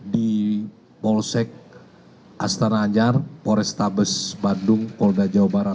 di polsek astana anjar porestabes bandung polda jawa barat